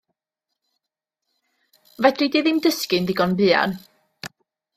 Fedri di ddim dysgu'n ddigon buan.